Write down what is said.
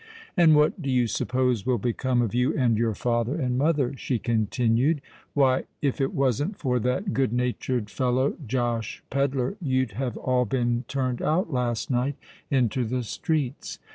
"And what do you suppose will become of you and your father and mother?" she continued. "Why—if it wasn't for that good natured fellow Josh Pedler you'd have all been turned out last night into the streets.